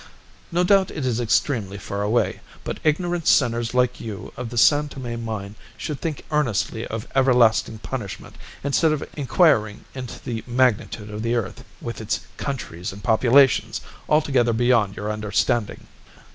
"No doubt it is extremely far away. But ignorant sinners like you of the San Tome mine should think earnestly of everlasting punishment instead of inquiring into the magnitude of the earth, with its countries and populations altogether beyond your understanding."